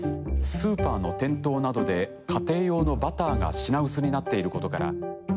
スーパーの店頭などで、家庭用のバターが品薄になっていることから。